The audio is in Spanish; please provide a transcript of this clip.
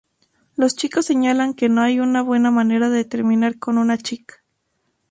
Los chicos señalan que no hay una buena manera de terminar con una chica.